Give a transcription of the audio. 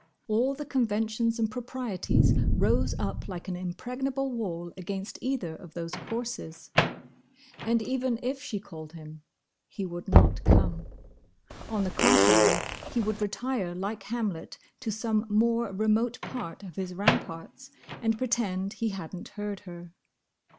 All the conventions and proprieties rose up like an impregnable wall against either of those courses. And even if she called him, he would not come. On the contrary, he would retire like Hamlet to some more remote part of his ramparts, and pretend he had n't heard her.